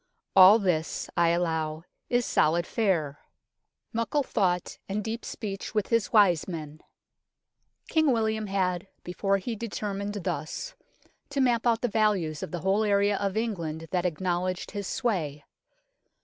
All this, I allow, is solid fare. " Muckle thought and deep speech 72 UNKNOWN LONDON with his wise men " King William had before he determined thus to map out the values of the whole area of England that acknowledged his sway.